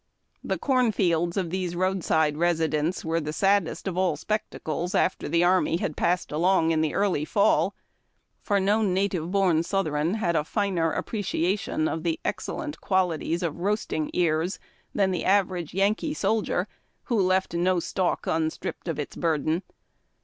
The corn fields of these roadside residents were the saddest of spectacles after the army had passed along in the early fall, for no native born Southron had a finer appreciation of the excellent qualities of " roasting ears " than the average Yankee soldier, who left no stalk unstripped of its burden.